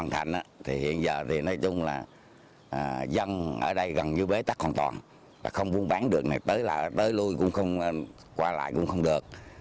tới lùi cũng không qua lại cũng không được